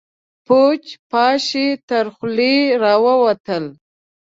پوچ، پاش يې تر خولې راوتل.